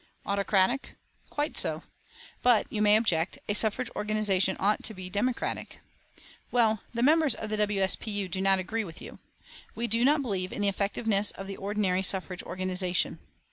Autocratic? Quite so. But, you may object, a suffrage organisation ought to be democratic. Well the members of the W. S. P. U. do not agree with you. We do not believe in the effectiveness of the ordinary suffrage organisation.